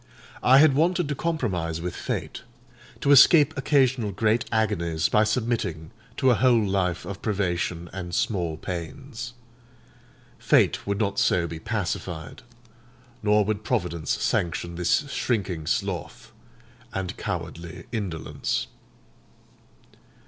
I had wanted to compromise with Fate: to escape occasional great agonies by submitting to a whole life of privation and small pains. Fate would not so be pacified; nor would Providence sanction this shrinking sloth and cowardly indolence.